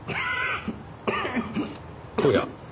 おや？